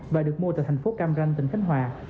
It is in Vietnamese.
và được mua tại thành phố cam ranh tỉnh khánh hòa